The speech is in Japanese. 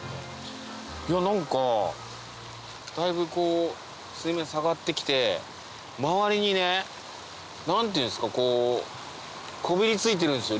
何かだいぶ水面下がって来て周りに何ていうんですかこびり付いてるんですよ